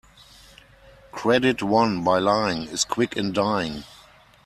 Credit won by lying is quick in dying.